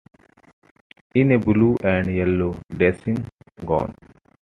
In a blue-and-yellow dressing gown.